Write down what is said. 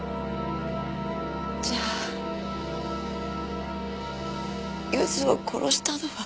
じゃあゆずを殺したのは？